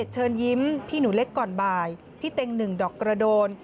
เชิญยิ้มพี่หนูเล็กก่อนบ่ายพี่เต็งหนึ่งดอกกระโดน